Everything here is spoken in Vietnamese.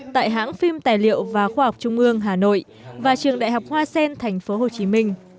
tại hãng phim tài liệu và khoa học trung ương hà nội và trường đại học hoa sen tp hcm